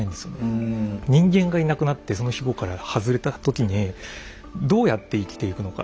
人間がいなくなってその庇護から外れた時にどうやって生きていくのか。